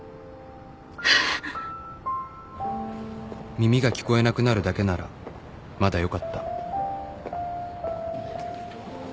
耳が聞こえなくなるだけならまだよかった